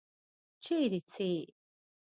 چیرې څې؟